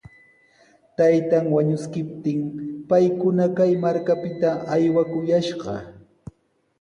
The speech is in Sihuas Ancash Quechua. Taytan wañuskiptin paykuna kay markapita aywakuyashqa.